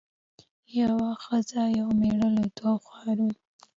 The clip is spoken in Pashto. یوه ښځه یو مېړه له دوو ښارونو